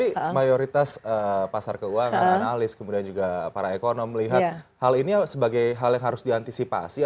tapi mayoritas pasar keuangan analis kemudian juga para ekonom melihat hal ini sebagai hal yang harus diantisipasi